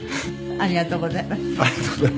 ありがとうございます。